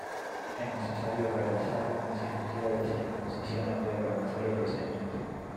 Es necesario realizar una cirugía de circuncisión antes de realizar el procedimiento.